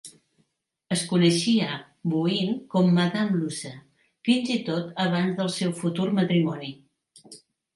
Es coneixia Bouin com "Madame Luce", fins i tot abans del seu futur matrimoni.